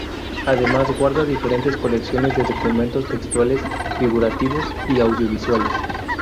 Además, guarda diferentes colecciones de documentos textuales, figurativos y audiovisuales.